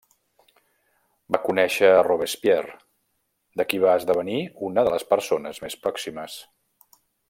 Va conèixer a Robespierre, de qui va esdevenir una de les persones més pròximes.